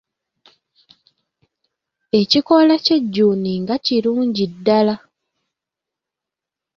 Ekikoola ky'ejjuuni nga kirungi ddala.